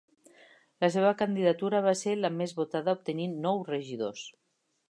La seva candidatura va ser la més votada, obtenint nou regidors.